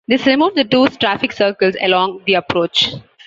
This removed the two traffic circles along the approach.